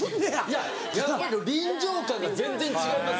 いややっぱり臨場感が全然違いますから。